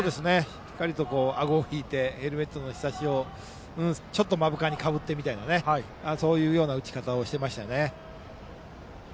しっかりとあごを引いてヘルメットのひさしをちょっと目深にかぶってみたいなそういうような打ち方をしていましたね。